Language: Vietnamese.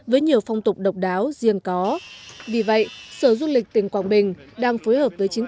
với nhiều phong tục độc đáo riêng có vì vậy sở du lịch tỉnh quảng bình đang phối hợp với chính